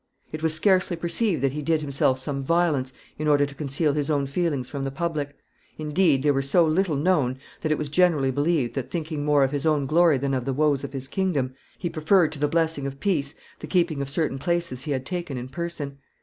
It was scarcely perceived that he did himself some violence in order to conceal his own feelings from the public; indeed; they were so little known that it was pretty generally believed that, thinking more of his own glory than of the woes of his kingdom, he preferred to the blessing of peace the keeping of certain places he had taken in person.